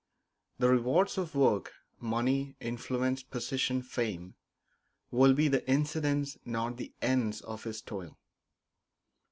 The rewards of work money, influence, position, fame will be the incidents, not the ends, of his toil.